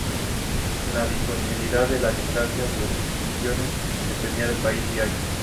La disponibilidad de las distintas versiones dependía del país y año.